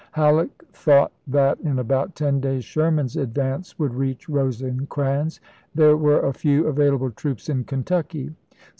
Halleck thought that in about ten days Sherman's advance would reach Rose crans ; there were a few available troops in Ken tucky.